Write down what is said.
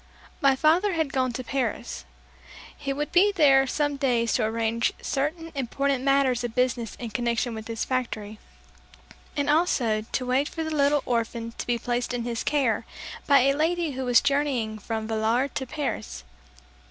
My father had gone to Paris. He would be there some days to arrange certain important matters of business in connection with his factory, and also to wait for the little orphan to be placed in his care by a lady who was journeying from Villar to Paris.